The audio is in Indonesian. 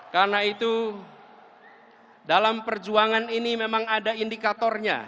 karena itu dalam perjuangan ini memang ada indikatornya